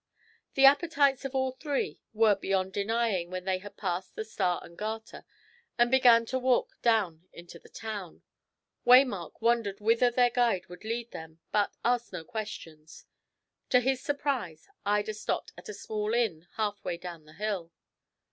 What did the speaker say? The appetites of all three were beyond denying when they had passed the "Star and Garter" and began to walk down into the town. Waymark wondered whither their guide would lead them, but asked no questions. To his surprise, Ida stopped at a small inn half way down the hill.